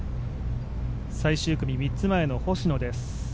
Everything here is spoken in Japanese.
最終組３つ前の星野です。